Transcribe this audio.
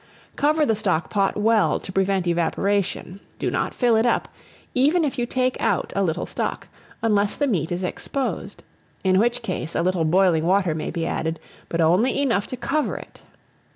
Cover the stock pot well, to prevent evaporation; do not fill it up, even if you take out a little stock, unless the meat is exposed; in which case a little boiling water may be added, but only enough to cover it.